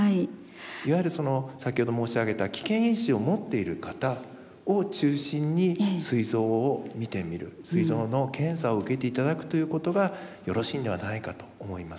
いわゆる先ほど申し上げた危険因子を持っている方を中心にすい臓を見てみるすい臓の検査を受けて頂くということがよろしいんではないかと思います。